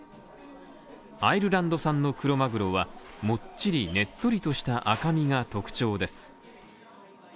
アイルランド産のクロマグロはもっちりねっとりとした赤身が特徴です。